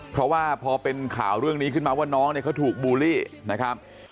เพราะว่าพอเป็นข่าวเรื่องนี้ขึ้นมาว่าน้องเนี่ยเขาถูกบูลลี่นะครับ